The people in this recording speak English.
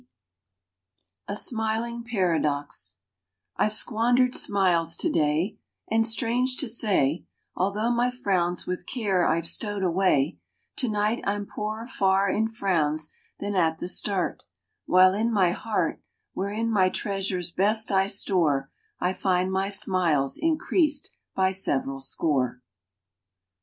A SMILING PARADOX I VE squandered smiles to day, And, strange to say, Altho my frowns with care I ve stowed away, To night I m poorer far in frowns than at the start ; While in my heart, Wherein my treasures best I store, I find my smiles increased by several score.